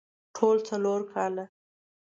ټول څلور کاله